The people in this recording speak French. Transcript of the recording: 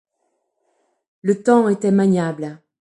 Le temps était maniable.